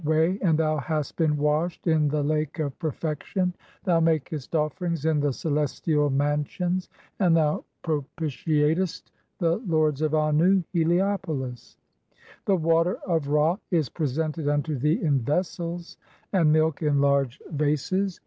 "way and thou hast been washed in the Lake of Perfection ; "thou makest offerings in the celestial mansions, and thou pro "pitiatest (41) the lords of Annu (Heliopolis). The water of "Ra is presented unto thee in vessels, and milk in large vases.